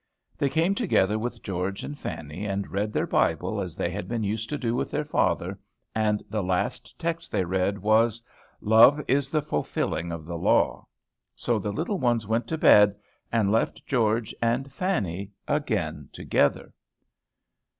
They came together with George and Fanny, and read their Bible as they had been used to do with their father, and the last text they read was, "Love is the fulfilling of the law." So the little ones went to bed, and left George and Fanny again together.